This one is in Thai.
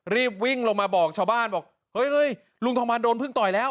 รีบวิ่งลงมาบอกชาวบ้านบอกเฮ้ยลุงทองมันโดนพึ่งต่อยแล้ว